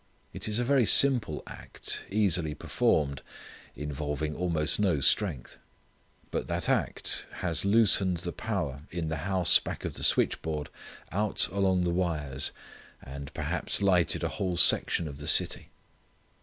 It is a very simple act, easily performed, involving almost no strength. But that act has loosened the power in the house back of the switchboard out along the wires, and perhaps lighted a whole section of the city.